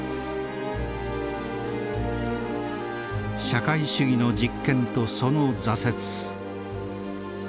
社会主義の実験とその挫折。